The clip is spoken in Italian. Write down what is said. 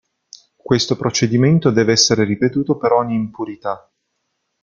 Questo procedimento deve essere ripetuto per ogni impurità.